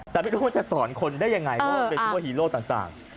แต่ไม่รู้ว่าจะสอนคนได้ยังไงว่ามันเป็นชั่วฮีโร่ต่าง